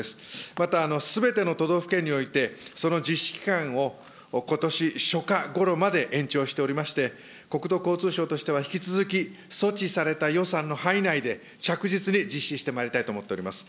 また、すべての都道府県において、その実施期間をことし初夏ごろまで延長しておりまして、国土交通省としては、引き続き、措置された予算の範囲内で、着実に実施してまいりたいと思っております。